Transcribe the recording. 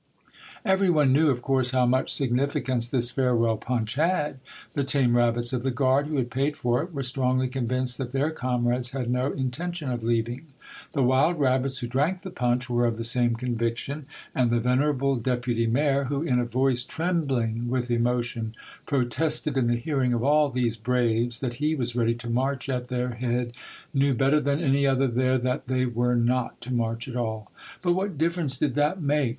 Every one knew, of course, how much significance this farewell punch had. The tame rabbits of the guard, who had paid for it, were strongly convinced that their comrades had no in tention of leaving. The wild rabbits, who drank the punch, were of the same conviction, and the The Defence of Tarascon, 79 venerable deputy mayor, who, in a voice trembling with emotion, protested in the hearing of all these braves that he was ready to march at their head, knew better than any other there that they were not to march at all. But what difference did that make